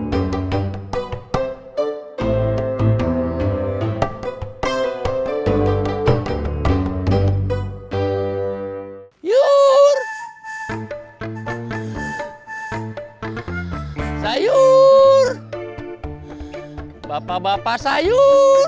hai jor hampir sayur bapak bapak sayur